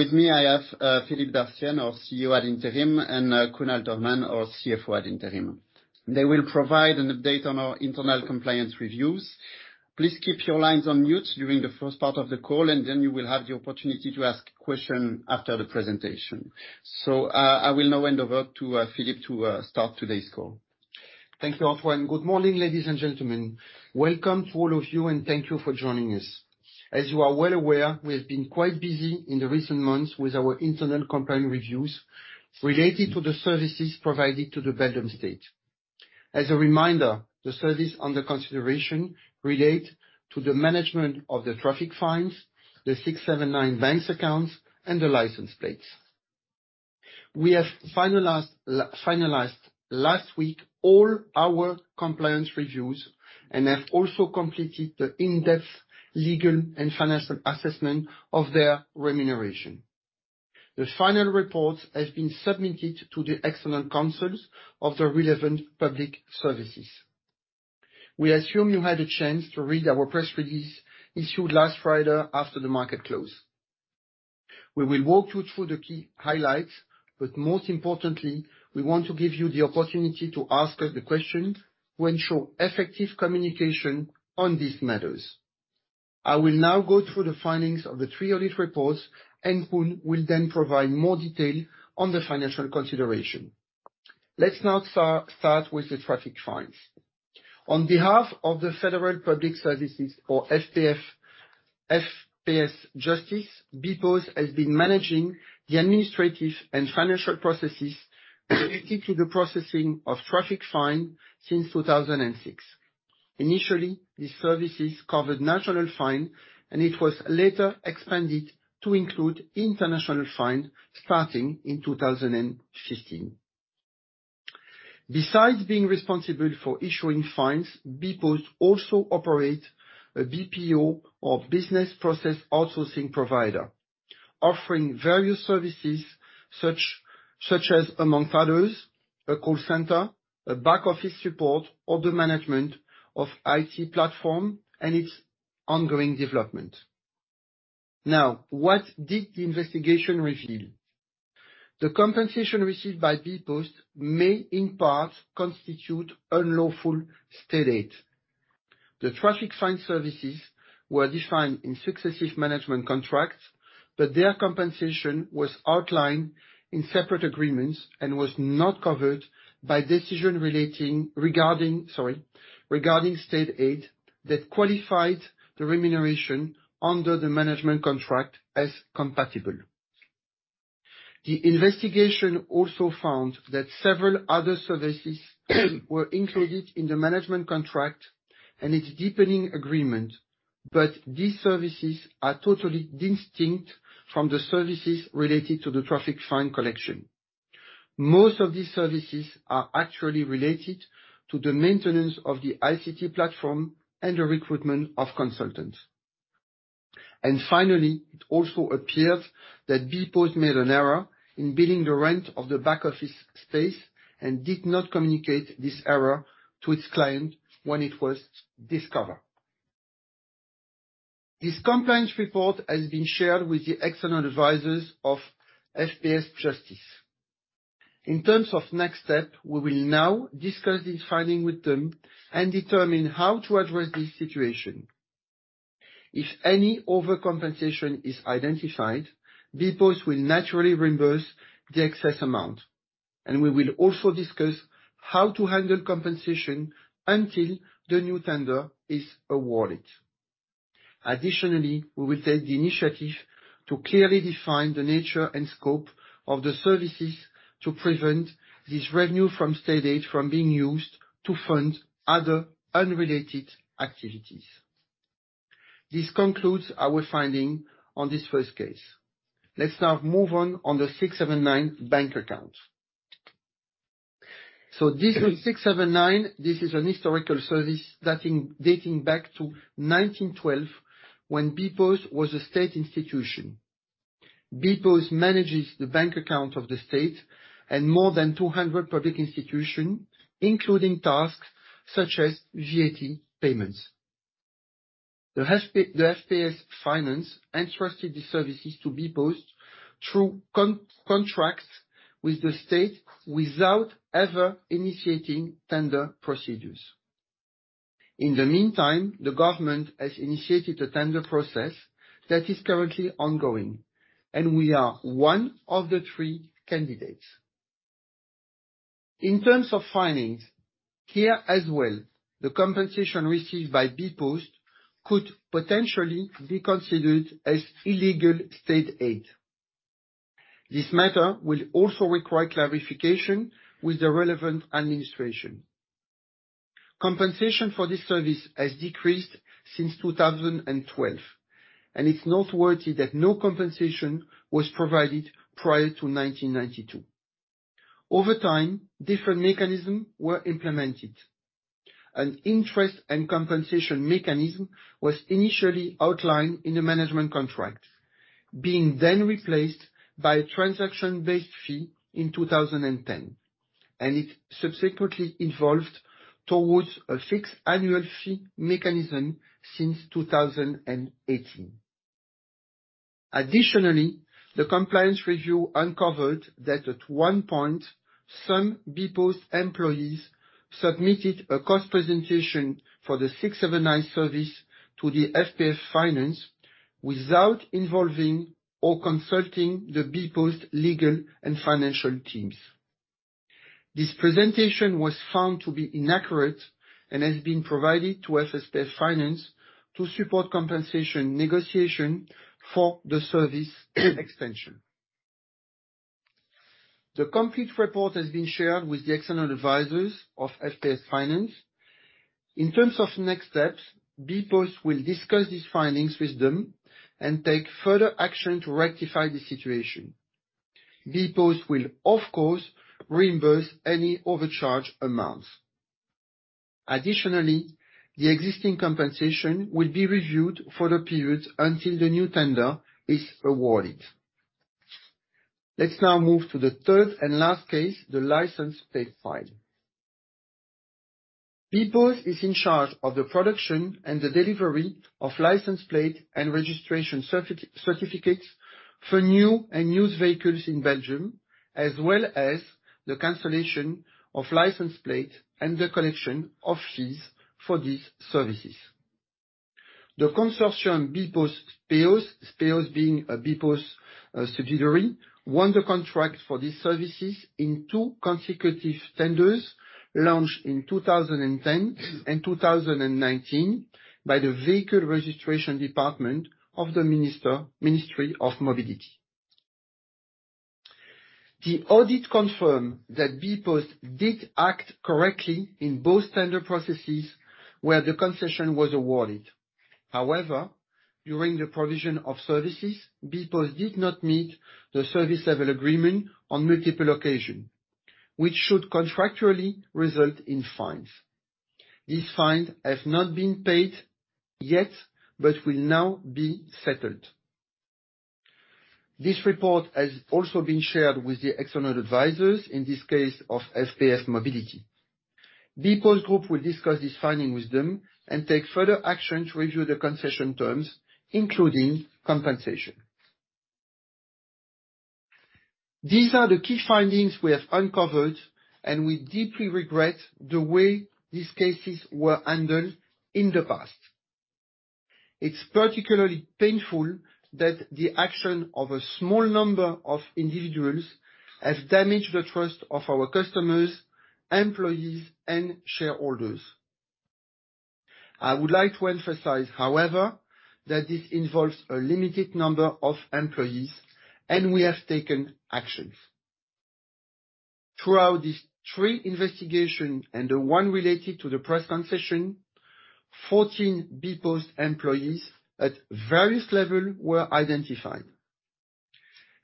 With me, I have Philippe Dartienne, our CEO ad interim, and Koen Aelterman, our CFO ad interim. They will provide an update on our internal compliance reviews. Please keep your lines on mute during the first part of the call, and you will have the opportunity to ask question after the presentation. I will now hand over to Philippe to start today's call. Thank you, Antoine, good morning, ladies and gentlemen. Welcome to all of you, and thank you for joining us. As you are well aware, we have been quite busy in the recent months with our internal compliance reviews related to the services provided to the Belgium state. As a reminder, the services under consideration relate to the management of the traffic fines, the 679 bank accounts, and the license plates. We have finalized, finalized last week, all our compliance reviews, and have also completed the in-depth legal and financial assessment of their remuneration. The final reports have been submitted to the excellent counsels of the relevant public services. We assume you had a chance to read our press release, issued last Friday after the market close. We will walk you through the key highlights, but most importantly, we want to give you the opportunity to ask the questions to ensure effective communication on these matters. I will now go through the findings of the three audit reports, and Koen will then provide more detail on the financial consideration. Let's now start with the traffic fines. On behalf of the Federal Public Service, or FPS Justice, bpost has been managing the administrative and financial processes related to the processing of traffic fines since 2006. Initially, these services covered national fines, and it was later expanded to include international fines, starting in 2015. Besides being responsible for issuing fines, bpost also operate a BPO, or business process outsourcing provider, offering various services such, such as, amongst others, a call center, a back office support, or the management of IT platform and its ongoing development. Now, what did the investigation reveal? The compensation received by bpost may, in part, constitute unlawful state aid. The traffic fine services were defined in successive management contracts, but their compensation was outlined in separate agreements, and was not covered by decision relating—regarding, sorry, regarding state aid, that qualified the remuneration under the management contract as compatible. The investigation also found that several other services were included in the management contract and its deepening agreement, but these services are totally distinct from the services related to the traffic fine collection. Most of these services are actually related to the maintenance of the ICT platform and the recruitment of consultants. Finally, it also appears that bpost made an error in billing the rent of the back office space, and did not communicate this error to its client when it was discovered. This compliance report has been shared with the external advisors of FPS Justice. In terms of next step, we will now discuss this finding with them, and determine how to address this situation. If any overcompensation is identified, bpost will naturally reimburse the excess amount, and we will also discuss how to handle compensation until the new tender is awarded. Additionally, we will take the initiative to clearly define the nature and scope of the services to prevent this revenue from state aid from being used to fund other unrelated activities. This concludes our finding on this first case. Let's now move on to the 679 bank account. This is 679, this is a historical service dating back to 1912, when bpost was a state institution. bpost manages the bank account of the state, and more than 200 public institutions, including tasks such as VAT payments. The FPS Finance entrusted the services to bpost through contracts with the state, without ever initiating tender procedures. In the meantime, the government has initiated a tender process that is currently ongoing, and we are one of the three candidates. In terms of findings, here as well, the compensation received by bpost could potentially be considered as illegal state aid. This matter will also require clarification with the relevant administration. Compensation for this service has decreased since 2012, and it's noteworthy that no compensation was provided prior to 1992. Over time, different mechanisms were implemented. An interest and compensation mechanism was initially outlined in the management contract, being then replaced by a transaction-based fee in 2010 and it subsequently evolved towards a fixed annual fee mechanism since 2018. Additionally, the compliance review uncovered that at one point, some bpost employees submitted a cost presentation for the 679 service to the FPS Finance without involving or consulting the bpost legal and financial teams. This presentation was found to be inaccurate and has been provided to FPS Finance to support compensation negotiation for the service extension. The complete report has been shared with the external advisors of FPS Finance. In terms of next steps, bpost will discuss these findings with them and take further action to rectify the situation. bpost will, of course, reimburse any overcharge amounts. Additionally, the existing compensation will be reviewed for the period until the new tender is awarded. Let's now move to the third and last case, the license plate file. bpost is in charge of the production and the delivery of license plates and registration certificates for new and used vehicles in Belgium, as well as the cancellation of license plates and the collection of fees for these services. The consortium, bpost Speos, Speos being a bpost subsidiary, won the contract for these services in two consecutive tenders launched in 2010 and 2019 by the Vehicle Registration Department of the Ministry of Mobility. The audit confirmed that bpost did act correctly in both tender processes, where the concession was awarded. However, during the provision of services, bpost did not meet the service level agreement on multiple occasions, which should contractually result in fines. These fines have not been paid yet, but will now be settled. This report has also been shared with the external advisors, in this case, of FPS Mobility. bpost Group will discuss this finding with them and take further action to review the concession terms, including compensation. These are the key findings we have uncovered, and we deeply regret the way these cases were handled in the past. It's particularly painful that the action of a small number of individuals has damaged the trust of our customers, employees, and shareholders. I would like to emphasize, however, that this involves a limited number of employees, and we have taken actions. Throughout these three investigations and the one related to the press concession, 14 bpost employees at various levels were identified.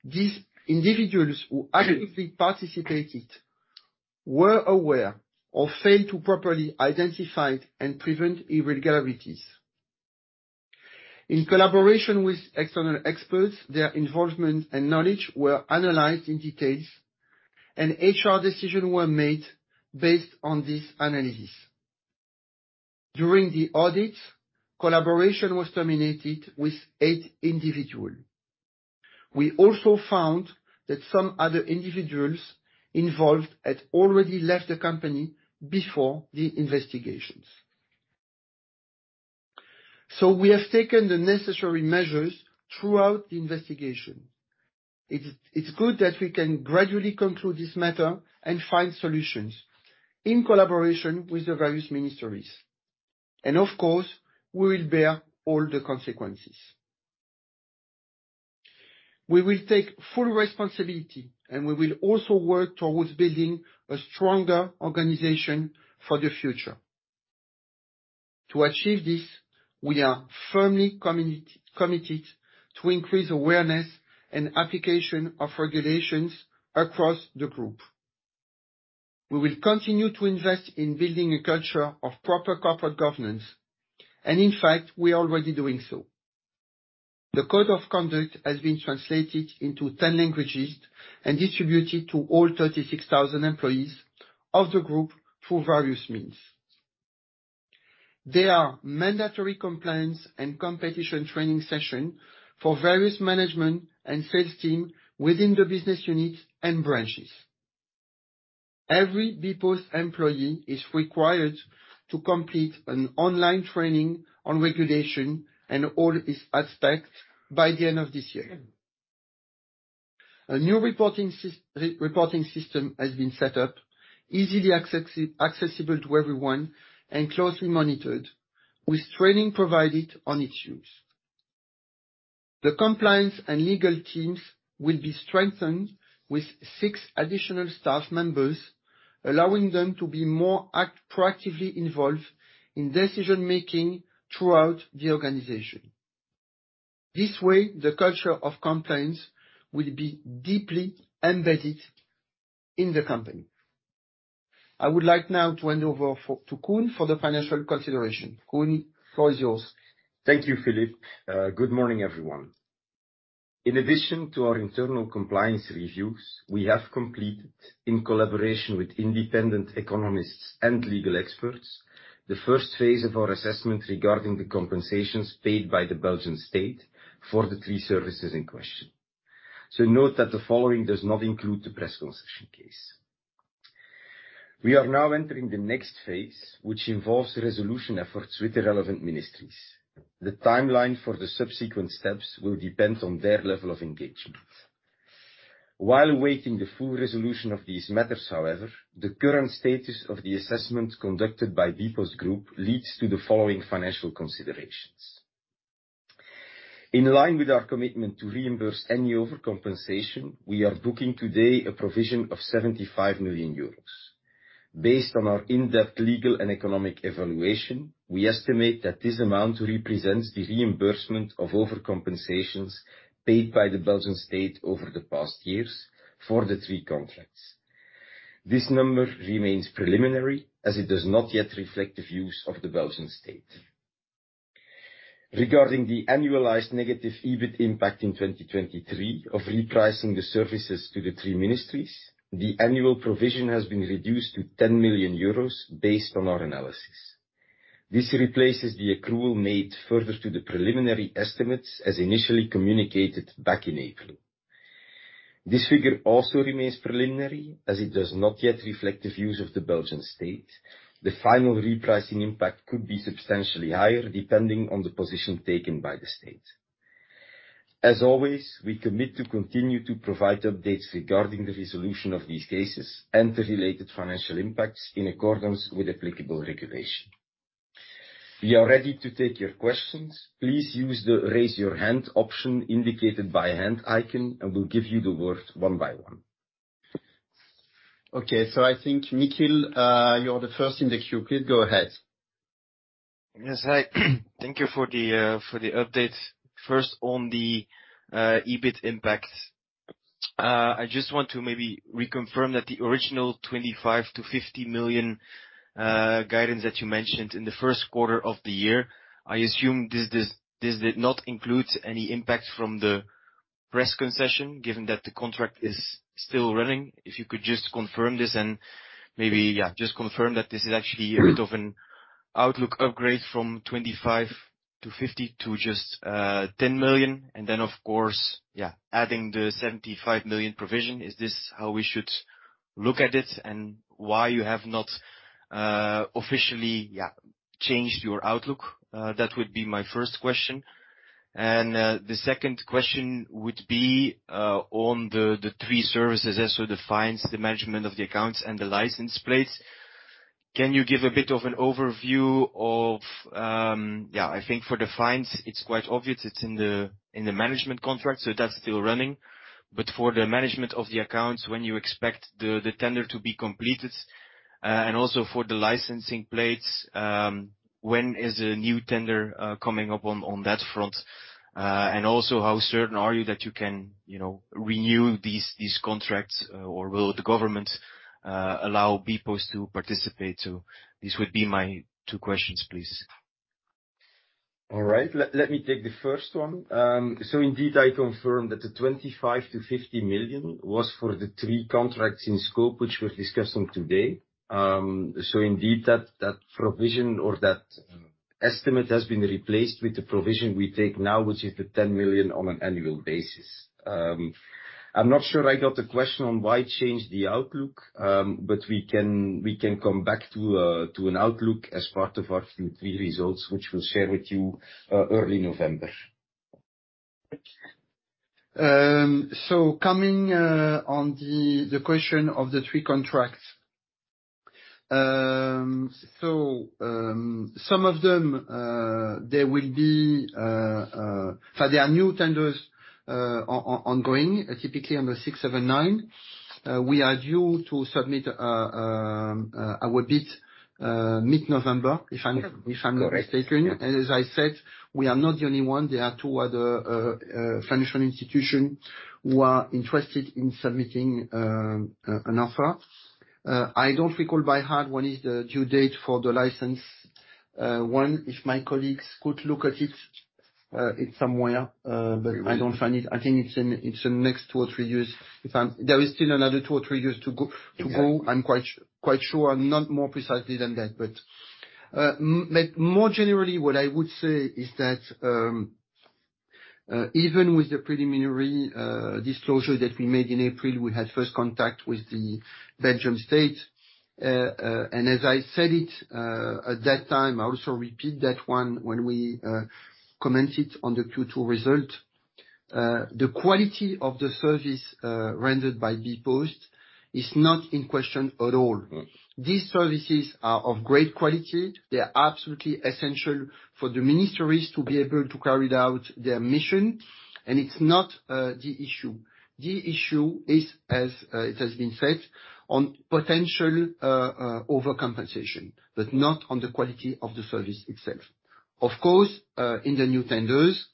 These individuals who actively participated were aware or failed to properly identify and prevent irregularities. In collaboration with external experts, their involvement and knowledge were analyzed in detail, and HR decisions were made based on this analysis. During the audit, collaboration was terminated with eight individuals. We also found that some other individuals involved had already left the company before the investigations. We have taken the necessary measures throughout the investigation. It's good that we can gradually conclude this matter and find solutions in collaboration with the various ministries, and of course, we will bear all the consequences. We will take full responsibility, and we will also work towards building a stronger organization for the future. To achieve this, we are firmly committed to increase awareness and application of regulations across the group. We will continue to invest in building a culture of proper corporate governance, and in fact, we are already doing so. The code of conduct has been translated into 10 languages and distributed to all 36,000 employees of the group through various means. There are mandatory compliance and competition training sessions for various management and sales teams within the business units and branches. Every bpost employee is required to complete an online training on regulation and all its aspects by the end of this year. A new reporting system has been set up, easily accessible to everyone and closely monitored, with training provided on its use. The compliance and legal teams will be strengthened with six additional staff members, allowing them to be more proactively involved in decision-making throughout the organization. This way, the culture of compliance will be deeply embedded in the company. I would like now to hand over for, to Koen for the financial consideration. Koen, the floor is yours. Thank you, Philippe. Good morning, everyone. In addition to our internal compliance reviews, we have completed, in collaboration with independent economists and legal experts, the first phase of our assessment regarding the compensations paid by the Belgian state for the three services in question. Note that the following does not include the press concession case. We are now entering the next phase, which involves resolution efforts with the relevant ministries. The timeline for the subsequent steps will depend on their level of engagement. While awaiting the full resolution of these matters, however, the current status of the assessment conducted by bpost Group leads to the following financial considerations: In line with our commitment to reimburse any overcompensation, we are booking today a provision of 75 million euros. Based on our in-depth legal and economic evaluation, we estimate that this amount represents the reimbursement of overcompensations paid by the Belgian state over the past years for the three contracts. This number remains preliminary, as it does not yet reflect the views of the Belgian state. Regarding the annualized negative EBIT impact in 2023 of repricing the services to the three ministries, the annual provision has been reduced to 10 million euros based on our analysis. This replaces the accrual made further to the preliminary estimates, as initially communicated back in April. This figure also remains preliminary, as it does not yet reflect the views of the Belgian state. The final repricing impact could be substantially higher, depending on the position taken by the state. As always, we commit to continue to provide updates regarding the resolution of these cases and the related financial impacts in accordance with applicable regulation. We are ready to take your questions. Please use the Raise Your Hand option, indicated by a hand icon, and we'll give you the word one by one. Okay, so I think, Michiel, you're the first in the queue. Please go ahead. Yes. Hi. Thank you for the, for the update. First, on the EBIT impact, I just want to maybe reconfirm that the original 25 million-50 million guidance that you mentioned in the first quarter of the year, I assume this did not include any impact from the press concession, given that the contract is still running. If you could just confirm this and maybe... Yeah, just confirm that this is actually a bit of an outlook upgrade from 25 million-50 million to just 10 million. Of course, adding the 75 million provision, is this how we should look at it, and why you have not officially changed your outlook? That would be my first question. The second question would be on the three services, as defined: the management of the accounts and the license plates. Can you give a bit of an overview of... Yeah, I think for the fines, it's quite obvious it's in the management contract, so that's still running. But for the management of the accounts, when you expect the tender to be completed, and also for the license plates, when is a new tender coming up on that front? And also, how certain are you that you can, you know, renew these contracts, or will the government allow bpost to participate? These would be my two questions, please. All right. Let me take the first one. So indeed, I confirm that the 25 million-50 million was for the three contracts in scope, which we've discussed today. So indeed, that, that provision or that estimate has been replaced with the provision we take now, which is the 10 million on an annual basis. I'm not sure I got the question on why change the outlook, but we can, we can come back to, to an outlook as part of our Q3 results, which we'll share with you, early November. So coming on the question of the three contracts. So some of them, there will be, so there are new tenders ongoing, typically on the six, seven, nine. We are due to submit our bid mid-November, if I'm not mistaken. And as I said, we are not the only one. There are two other financial institution who are interested in submitting an offer. I don't recall by heart what is the due date for the license one. If my colleagues could look at it, it's somewhere, but I don't find it. I think it's in next two or three years. There is still another two or three years to go. I'm quite sure. I'm not more precisely than that. More generally, what I would say is that, even with the preliminary disclosure that we made in April, we had first contact with the Belgium state, and as I said it at that time, I also repeat that one when we commenced it on the Q2 result. The quality of the service rendered by bpost is not in question at all. These services are of great quality. They are absolutely essential for the ministries to be able to carry out their mission, and it's not the issue. The issue is, as it has been said, on potential overcompensation, but not on the quality of the service itself. Of course, in the new tenders,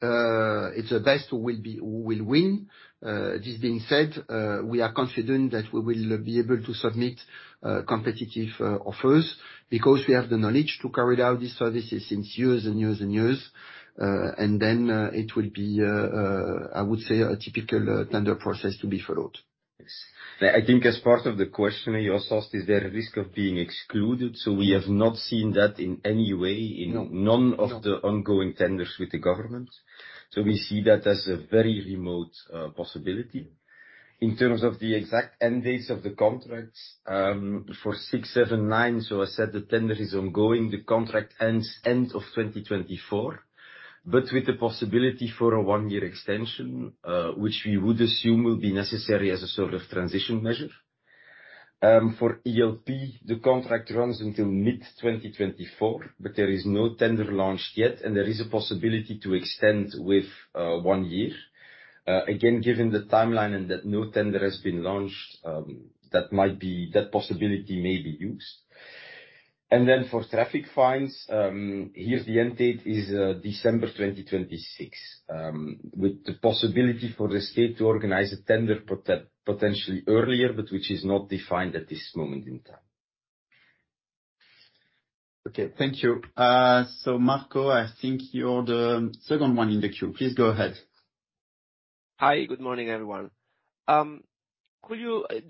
it's the best who will win. This being said, we are confident that we will be able to submit competitive offers because we have the knowledge to carry out these services since years and years and years. And then, it will be, I would say, a typical tender process to be followed. Yes. I think as part of the question, you also asked, is there a risk of being excluded? We have not seen that in any way- No. - in none of the ongoing tenders with the government. So we see that as a very remote possibility. In terms of the exact end dates of the contracts, for 679, so I said the tender is ongoing. The contract ends end of 2024, but with the possibility for a one-year extension, which we would assume will be necessary as a sort of transition measure. For ELP, the contract runs until mid-2024, but there is no tender launched yet, and there is a possibility to extend with one year. Again, given the timeline and that no tender has been launched, that possibility may be used. Then for traffic fines, here, the end date is December 2026, with the possibility for the state to organize a tender potentially earlier, but which is not defined at this moment in time. Okay. Thank you. So Marco, I think you're the second one in the queue. Please go ahead. Hi, good morning, everyone. Do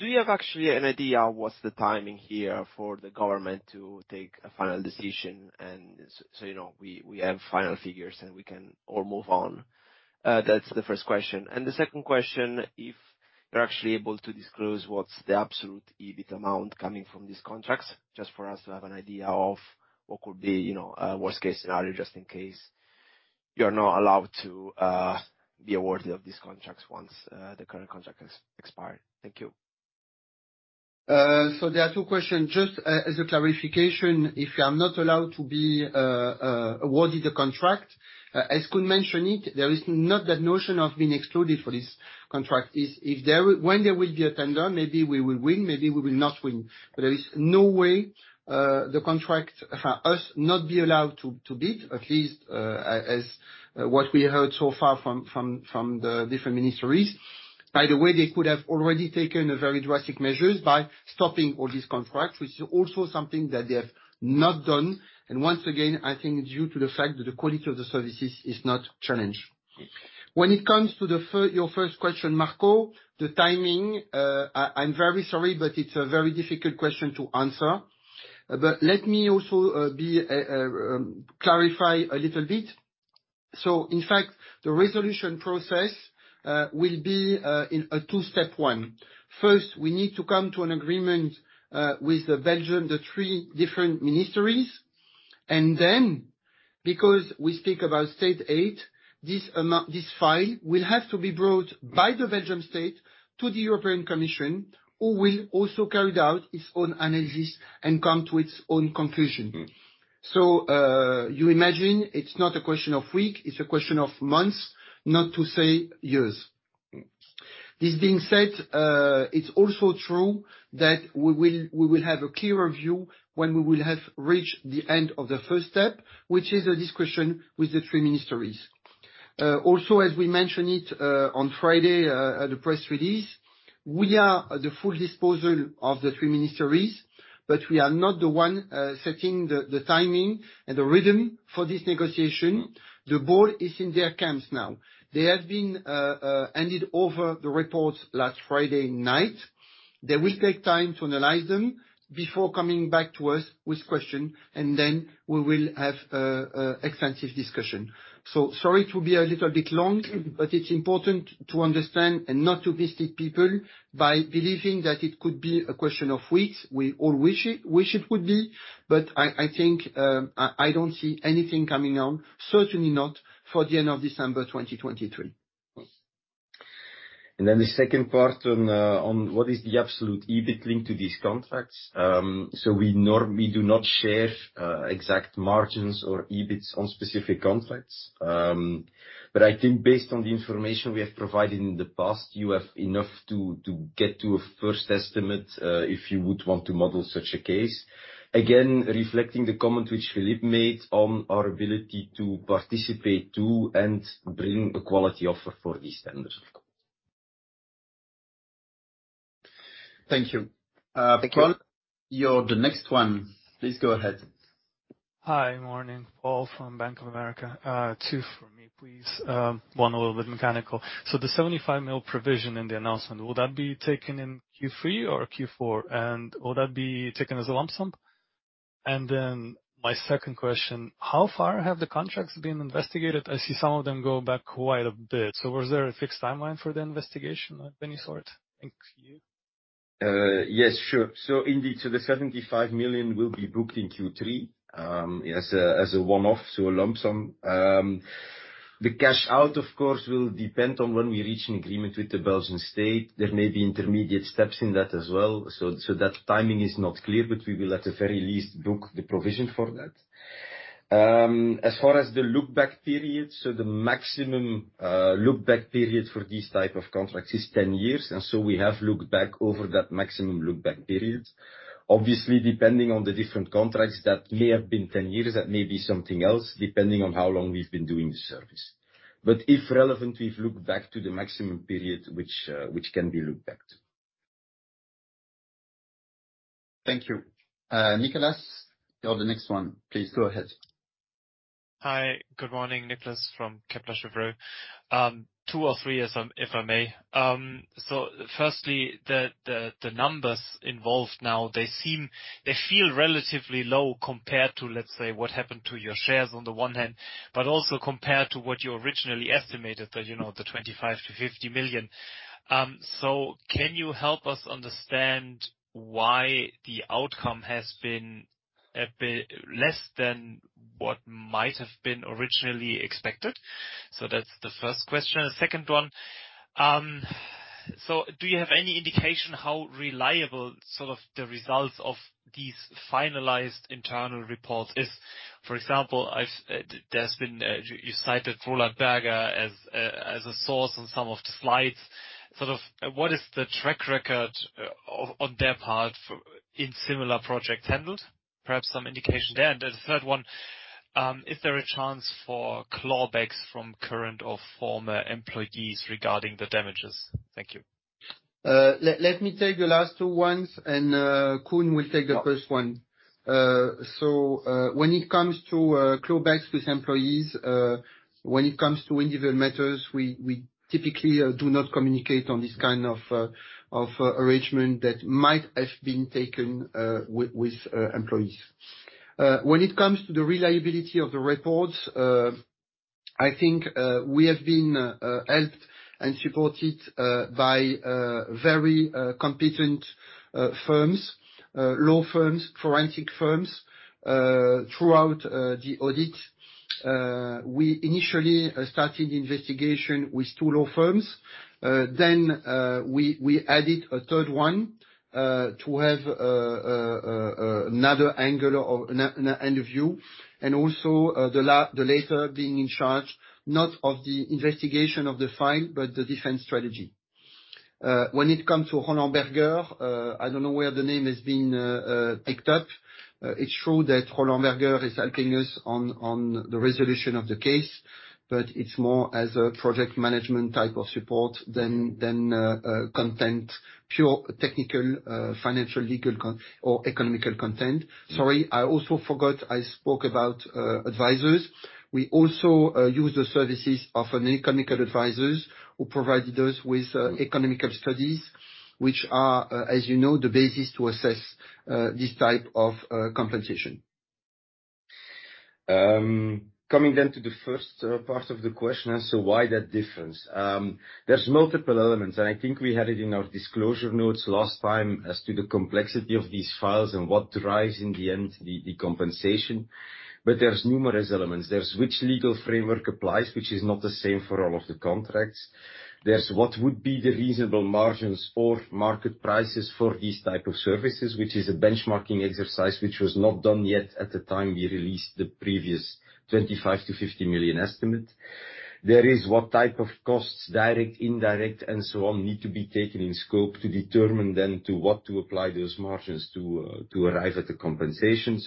you have actually an idea what's the timing here for the government to take a final decision? And so, you know, we, we have final figures, and we can all move on. That's the first question. And the second question, if you're actually able to disclose what's the absolute EBIT amount coming from these contracts, just for us to have an idea of what could be, you know, a worst-case scenario, just in case you're not allowed to be awarded of these contracts once the current contract has expired. Thank you. There are two questions. Just as a clarification, if you are not allowed to be awarded a contract, as Koen mentioned, there is not that notion of being excluded for this contract. If there—when there will be a tender, maybe we will win, maybe we will not win. There is no way the contract, us not be allowed to bid, at least as what we heard so far from the different ministries. By the way, they could have already taken very drastic measures by stopping all these contracts, which is also something that they have not done, and once again, I think due to the fact that the quality of the services is not challenged. When it comes to your first question, Marco, the timing, I'm very sorry, but it's a very difficult question to answer. But let me also clarify a little bit. So in fact, the resolution process will be in a two-step one. First, we need to come to an agreement with Belgium, the three different ministries, and then, because we speak about state aid, this file will have to be brought by the Belgian state to the European Commission, who will also carry out its own analysis and come to its own conclusion. You imagine it's not a question of week, it's a question of months, not to say years. This being said, it's also true that we will have a clearer view when we will have reached the end of the first step, which is a discussion with the three ministries. Also, as we mentioned it on Friday at the press release, we are at the full disposal of the three ministries, but we are not the one setting the timing and the rhythm for this negotiation. The board is in their camps now. They have been handed over the reports last Friday night. They will take time to analyze them before coming back to us with question, and then we will have an extensive discussion. Sorry it will be a little bit long, but it's important to understand and not to mislead people by believing that it could be a question of weeks. We all wish it would be, but I think I don't see anything coming on, certainly not for the end of December 2023. The second part on what is the absolute EBIT link to these contracts. We do not share exact margins or EBITs on specific contracts. I think based on the information we have provided in the past, you have enough to get to a first estimate if you would want to model such a case. Again, reflecting the comment which Philippe made on our ability to participate to and bring a quality offer for these tenders, of course. Thank you. Paul, you're the next one. Please go ahead. Hi, morning. Paul from Bank of America. Two for me, please. One a little bit mechanical. So the 75 million provision in the announcement, will that be taken in Q3 or Q4? And will that be taken as a lump sum? And then my second question, how far have the contracts been investigated? I see some of them go back quite a bit, so was there a fixed timeline for the investigation of any sort? Thank you. Yes, sure. So indeed, so the 75 million will be booked in Q3, as a, as a one-off, so a lump sum. The cash out, of course, will depend on when we reach an agreement with the Belgian state. There may be intermediate steps in that as well, so that timing is not clear, but we will, at the very least, book the provision for that. As far as the look-back period, so the maximum look-back period for these type of contracts is 10 years, and so we have looked back over that maximum look-back period. Obviously, depending on the different contracts, that may have been 10 years, that may be something else, depending on how long we've been doing the service. But if relevant, we've looked back to the maximum period which can be looked back to. Thank you. Nikolas, you're the next one. Please go ahead. Hi, good morning. Nikolas from Kepler Cheuvreux. Two or three, if I may. So firstly, the numbers involved now, they seem, they feel relatively low compared to, let's say, what happened to your shares on the one hand, but also compared to what you originally estimated, you know, the 25 million-50 million. So can you help us understand why the outcome has been a bit less than what might have been originally expected? So that's the first question. The second one, so do you have any indication how reliable, sort of, the results of these finalized internal reports is? For example, I've, there's been, you cited Roland Berger as a source on some of the slides. Sort of, what is the track record on their part for in similar projects handled? Perhaps some indication there. The third one, is there a chance for clawbacks from current or former employees regarding the damages? Thank you. Let me take the last two ones, and Koen will take the first one. When it comes to clawbacks with employees, when it comes to individual matters, we typically do not communicate on this kind of arrangement that might have been taken with employees. When it comes to the reliability of the reports, I think we have been helped and supported by very competent firms, law firms, forensic firms, throughout the audit. We initially started the investigation with two law firms, then we added a third one to have another angle or an interview, and also the latter being in charge, not of the investigation of the fine, but the defense strategy. When it comes to Roland Berger, I don't know where the name has been picked up. It's true that Roland Berger is helping us on the resolution of the case, but it's more as a project management type of support than content, pure technical, financial, legal or economical content. Sorry, I also forgot I spoke about advisors. We also use the services of an economic advisors, who provided us with economic studies, which are, as you know, the basis to assess this type of compensation. Coming then to the first part of the question as to why that difference. There's multiple elements, and I think we had it in our disclosure notes last time as to the complexity of these files and what drives, in the end, the compensation. There's numerous elements. There's which legal framework applies, which is not the same for all of the contracts. There's what would be the reasonable margins for market prices for these type of services, which is a benchmarking exercise, which was not done yet at the time we released the previous 25 million-50 million estimate. There is what type of costs, direct, indirect, and so on, need to be taken in scope to determine then to what to apply those margins to, to arrive at the compensation.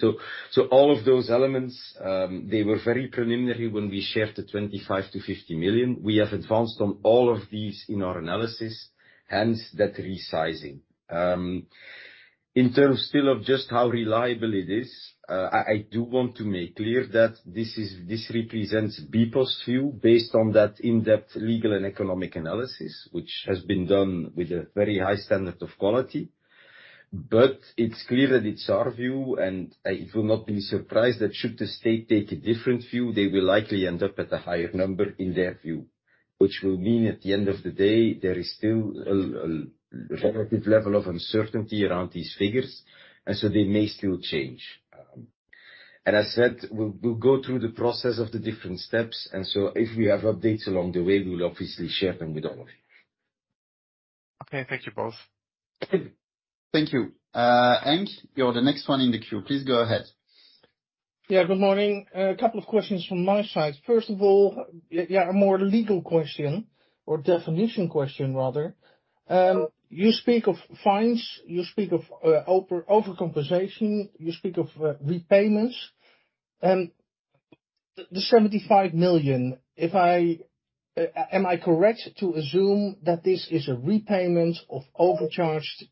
All of those elements, they were very preliminary when we shared the 25 million-50 million. We have advanced on all of these in our analysis, hence that resizing. In terms still of just how reliable it is, I do want to make clear that this represents bpost's view, based on that in-depth legal and economic analysis, which has been done with a very high standard of quality. It's clear that it's our view, and it will not be a surprise that should the state take a different view, they will likely end up at a higher number in their view, which will mean, at the end of the day, there is still a relative level of uncertainty around these figures, and so they may still change. And I said, we'll go through the process of the different steps, and so if we have updates along the way, we will obviously share them with all of you. Okay, thank you both. Thank you. Henk, you're the next one in the queue. Please go ahead. Yeah, good morning. A couple of questions from my side. First of all, yeah, a more legal question or definition question, rather. You speak of fines, you speak of overcompensation, you speak of repayments. The 75 million, if I am correct to assume that this is a repayment of overcharged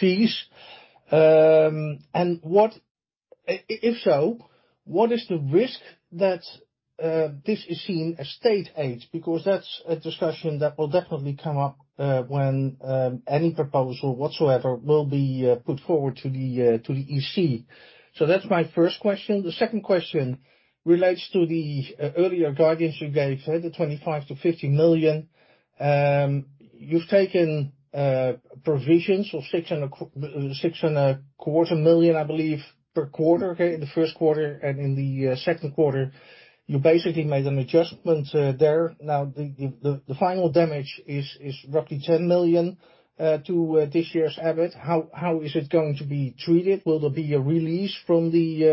fees? And what, if so, what is the risk that this is seen as state aid? Because that's a discussion that will definitely come up when any proposal whatsoever will be put forward to the EC. So that's my first question. The second question relates to the earlier guidance you gave, the EUR 25 million-EUR 50 million. You've taken provisions of 6.25 million, I believe, per quarter, okay, in the first quarter, and in the second quarter, you basically made an adjustment there. Now, the final damage is roughly 10 million to this year's EBIT. How is it going to be treated? Will there be a release from the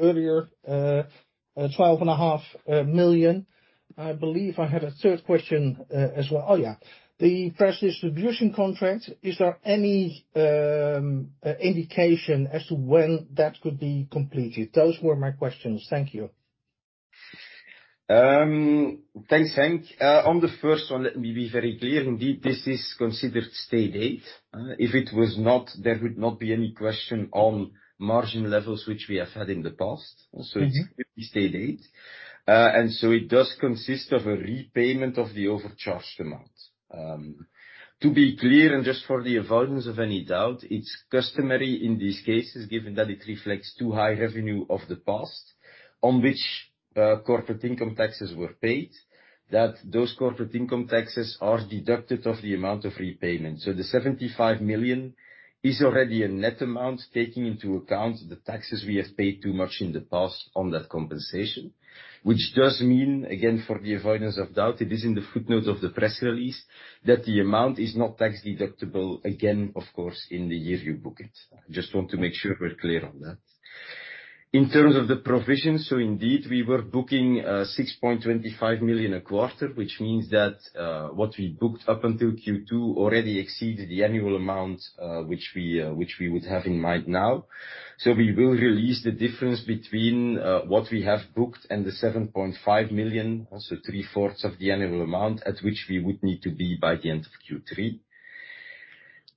earlier 12.5 million? I believe I had a third question as well. Oh, yeah. The press distribution contract, is there any indication as to when that could be completed? Those were my questions. Thank you. Thanks, Henk. On the first one, let me be very clear. Indeed, this is considered state aid. If it was not, there would not be any question on margin levels, which we have had in the past. Also, it's state aid. So it does consist of a repayment of the overcharged amount. To be clear, and just for the avoidance of any doubt, it's customary in these cases, given that it reflects too high revenue of the past, on which, corporate income taxes were paid, that those corporate income taxes are deducted of the amount of repayment. So the 75 million is already a net amount, taking into account the taxes we have paid too much in the past on that compensation. Which does mean, again, for the avoidance of doubt, it is in the footnote of the press release, that the amount is not tax-deductible again, of course, in the year you book it. Just want to make sure we're clear on that. In terms of the provision, indeed, we were booking 6.25 million a quarter, which means that what we booked up until Q2 already exceeded the annual amount, which we would have in mind now. We will release the difference between what we have booked and the 7.5 million, also three-fourths of the annual amount, at which we would need to be by the end of Q3.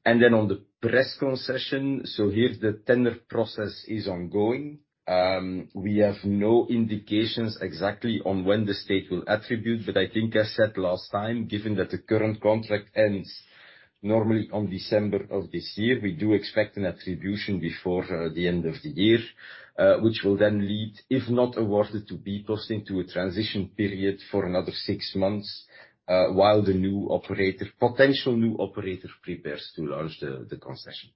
On the press concession, the tender process is ongoing. We have no indications exactly on when the state will attribute, but I think I said last time, given that the current contract ends normally in December of this year, we do expect an attribution before the end of the year, which will then lead, if not awarded, to bpost into a transition period for another six months, while the new operator - potential new operator prepares to launch the, the concession.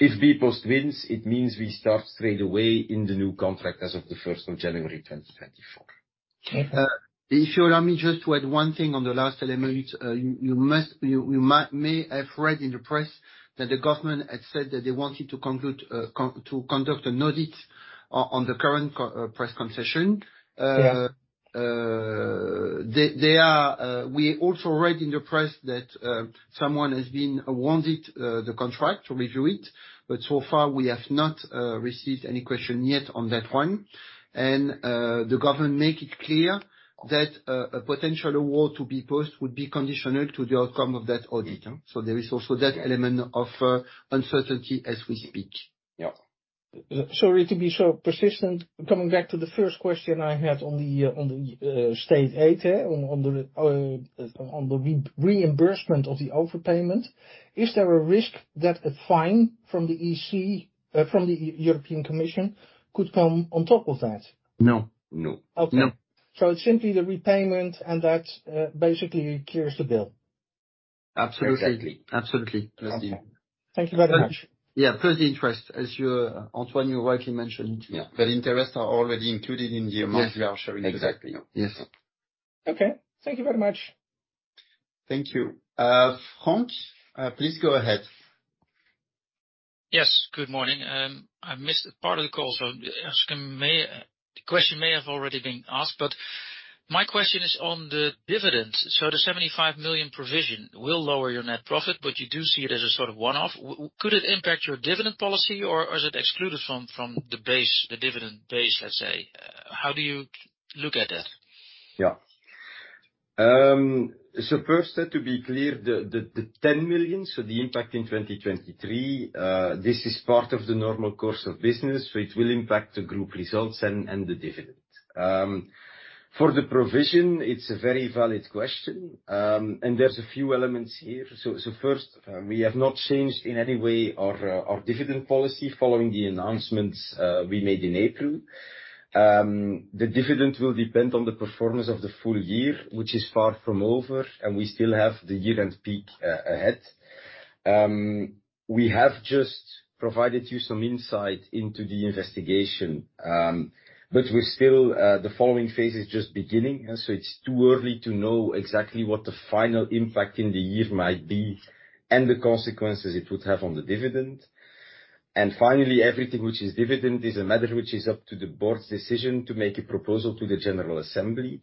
If bpost wins, it means we start straight away in the new contract as of the first of January, 2024. If you allow me just to add one thing on the last element. You might have read in the press that the government had said that they wanted to conduct an audit on the current press concession. Yeah. They are... We also read in the press that someone has been awarded the contract to review it, but so far, we have not received any question yet on that one. The government make it clear that a potential award to bpost would be conditional to the outcome of that audit. So there is also that element of uncertainty as we speak. Yeah. Sorry to be so persistent. Coming back to the first question I had on the state aid, on the reimbursement of the overpayment. Is there a risk that a fine from the EC, from the European Commission, could come on top of that? No, no. Okay. No. So it's simply the repayment, and that basically clears the bill? Absolutely. Exactly. Absolutely. Plus the- Thank you very much. Yeah, plus the interest, as you, Antoine, you rightly mentioned it. Yeah, but interests are already included in the amount- Yes We are showing. Exactly, yes. Okay. Thank you very much. Thank you. Frank, please go ahead. Yes, good morning. I missed part of the call, so as may the question may have already been asked, but my question is on the dividend. So the 75 million provision will lower your net profit, but you do see it as a sort of one-off. Could it impact your dividend policy, or is it excluded from, from the base, the dividend base, let's say? How do you look at that? Yeah. So first, to be clear, the 10 million, so the impact in 2023, this is part of the normal course of business, so it will impact the group results and the dividend. For the provision, it's a very valid question. And there's a few elements here. So first, we have not changed, in any way, our dividend policy following the announcements we made in April. The dividend will depend on the performance of the full year, which is far from over, and we still have the year-end peak ahead. We have just provided you some insight into the investigation, but we're still, the following phase is just beginning, and so it's too early to know exactly what the final impact in the year might be, and the consequences it would have on the dividend. Finally, everything which is dividend, is a matter which is up to the board's decision to make a proposal to the general assembly.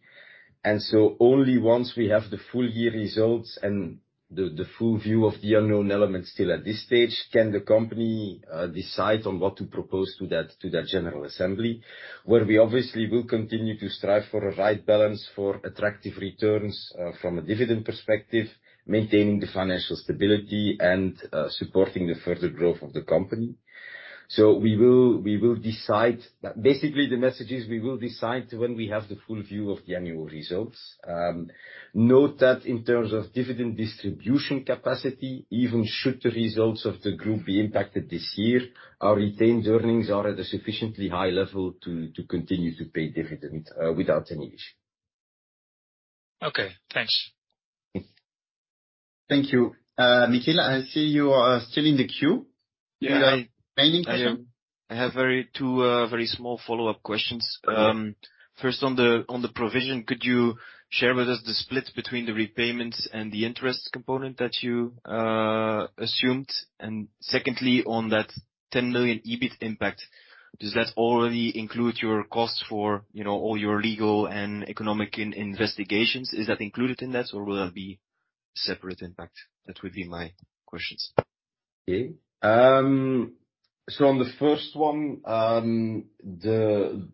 So only once we have the full year results and the, the full view of the unknown elements still at this stage, can the company decide on what to propose to that, to that general assembly. Where we obviously will continue to strive for a right balance for attractive returns, from a dividend perspective, maintaining the financial stability and, supporting the further growth of the company. So we will, we will decide. Basically, the message is, we will decide when we have the full view of the annual results. Note that in terms of dividend distribution capacity, even should the results of the group be impacted this year, our retained earnings are at a sufficiently high level to continue to pay dividends, without any issue. Okay, thanks. Thank you. Michiel, I see you are still in the queue. Yeah. Any question? I have two very small follow-up questions. Yeah. First, on the provision, could you share with us the split between the repayments and the interest component that you assumed? And secondly, on that 10 million EBIT impact, does that already include your costs for, you know, all your legal and economic investigations? Is that included in that, or will that be separate impact? That would be my questions. Okay. So on the first one, the,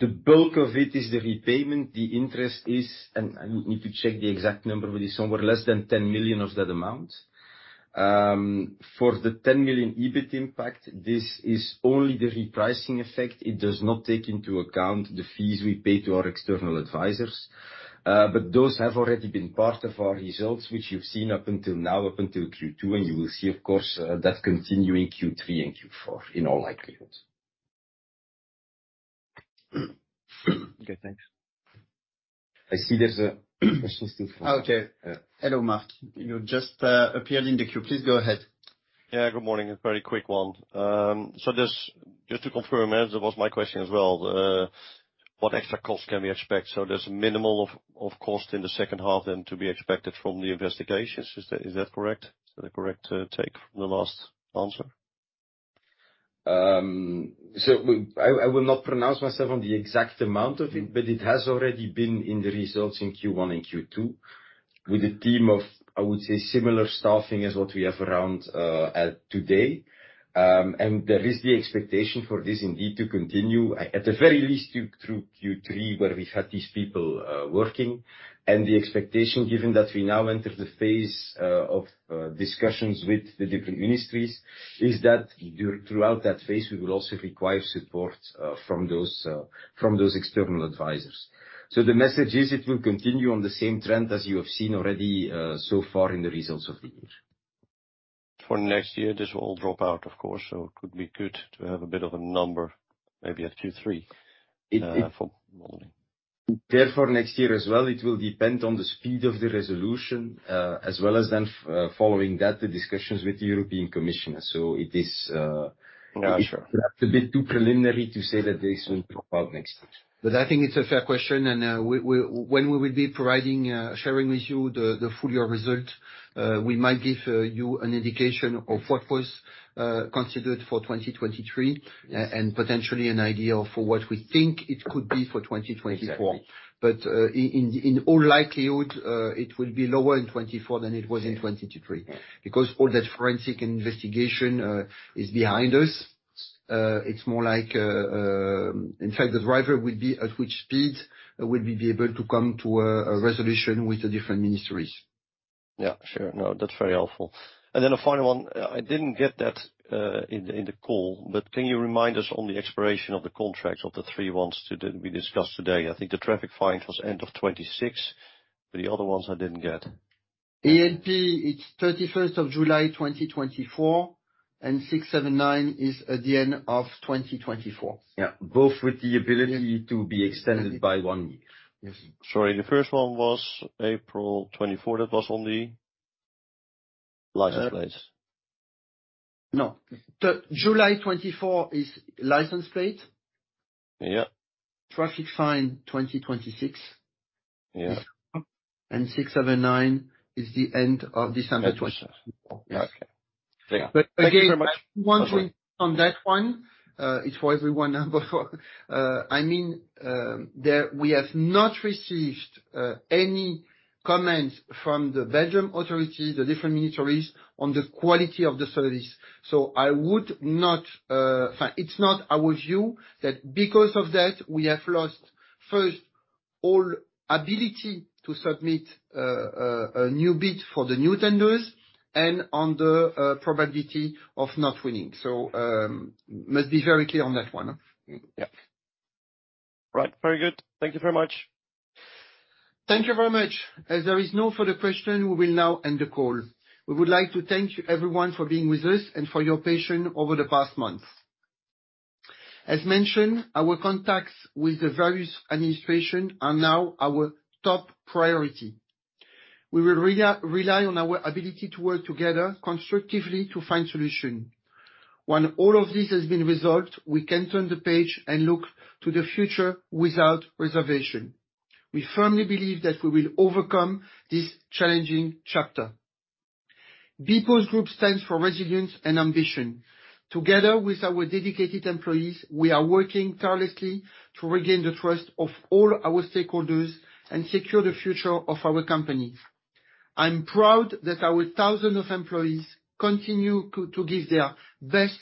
the bulk of it is the repayment. The interest is, and I would need to check the exact number, but it's somewhere less than 10 million of that amount. For the 10 million EBIT impact, this is only the repricing effect. It does not take into account the fees we pay to our external advisors. But those have already been part of our results, which you've seen up until now, up until Q2, and you will see, of course, that continuing Q3 and Q4, in all likelihood. Okay, thanks. I see there's a question still. Okay. Hello, Marc. You just appeared in the queue. Please go ahead. Yeah, good morning. A very quick one. So just, just to confirm, that was my question as well, what extra costs can we expect? So there's minimal of cost in the second half then to be expected from the investigations. Is that, is that correct? Is that the correct take from the last answer? So I, I will not pronounce myself on the exact amount of it, but it has already been in the results in Q1 and Q2, with a team of, I would say, similar staffing as what we have around, as today. And there is the expectation for this indeed to continue, at the very least, through Q3, where we've had these people working. And the expectation, given that we now enter the phase of discussions with the different ministries, is that throughout that phase, we will also require support from those external advisors. So the message is, it will continue on the same trend as you have seen already, so far in the results of the year. For next year, this will all drop out, of course, so it could be good to have a bit of a number, maybe a 2, 3 for modeling. Therefore, next year as well, it will depend on the speed of the resolution, as well as then, following that, the discussions with the European Commission. So it is- Yeah, sure. Perhaps a bit too preliminary to say that they soon drop out next year. But I think it's a fair question, and when we will be sharing with you the full year results, we might give you an indication of what was considered for 2023, and potentially an idea for what we think it could be for 2024. Exactly. But, in all likelihood, it will be lower in 2024 than it was in 2023. Yeah. Because all that forensic investigation is behind us. It's more like, in fact, the driver would be at which speed would we be able to come to a resolution with the different ministries. Yeah, sure. No, that's very helpful. And then a final one. I didn't get that in the call, but can you remind us on the expiration of the contracts of the three ones that we discussed today? I think the traffic fine was end of 2026, but the other ones I didn't get. ELP, it's 31st of July, 2024, and 679 is at the end of 2024. Yeah, both with the ability to be extended by one year. Yes. Sorry, the first one was April 2024. That was on the license plates. No. The July 2024 is license plate. Yeah. Traffic Fines, 2026. Yeah. 679 is the end of December 2024. Okay. Thank you very much. Again, one thing on that one, it's for everyone. I mean, we have not received any comments from the Belgian authorities, the different ministries, on the quality of the service. So I would not. It's not our view that because of that, we have lost, first, all ability to submit a new bid for the new tenders and on the probability of not winning. So must be very clear on that one. Yeah. Right. Very good. Thank you very much. Thank you very much. As there is no further question, we will now end the call. We would like to thank you everyone for being with us and for your patience over the past months. As mentioned, our contacts with the various administrations are now our top priority. We will rely on our ability to work together constructively to find solution. When all of this has been resolved, we can turn the page and look to the future without reservation. We firmly believe that we will overcome this challenging chapter. bpost Group stands for resilience and ambition. Together with our dedicated employees, we are working tirelessly to regain the trust of all our stakeholders and secure the future of our company. I'm proud that our thousands of employees continue to give their best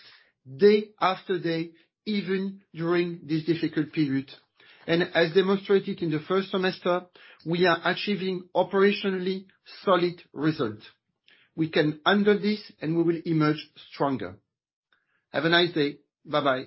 day after day, even during this difficult period. As demonstrated in the first semester, we are achieving operationally solid result. We can handle this, and we will emerge stronger. Have a nice day. Bye-bye.